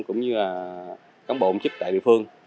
cũng như là cán bộ công chức tại địa phương